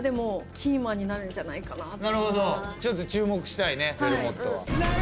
なるほどちょっと注目したいねベルモットは。